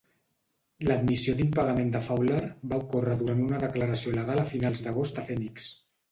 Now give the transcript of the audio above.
L'admissió d'impagament de Fowler va ocórrer durant una declaració legal a finals d'agost a Fènix.